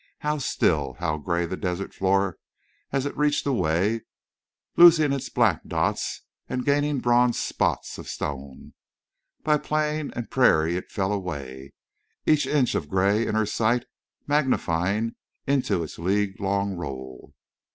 How still—how gray the desert floor as it reached away, losing its black dots, and gaining bronze spots of stone! By plain and prairie it fell away, each inch of gray in her sight magnifying into its league long roll.